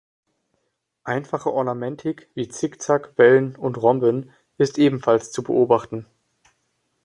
Einfache Ornamentik, wie Zick-Zack, Wellen und Rhomben, ist ebenfalls zu beobachten.